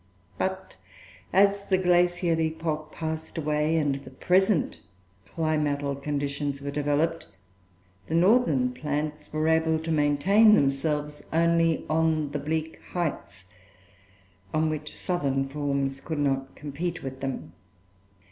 But, as the glacial epoch passed away, and the present climatal conditions were developed, the northern plants were able to maintain themselves only on the bleak heights, on which southern forms could not compete with them.